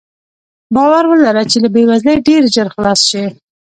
باور ولره چې له بې وزلۍ ډېر ژر خلاص شې.